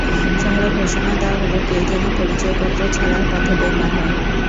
শহরে ঘোষণা দেয়া হল—কেউ যেন পরিচয়পত্র ছাড়া পথে বের না হয়।